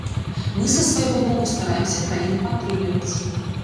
Мы са свайго боку стараемся краіны падтрымліваць.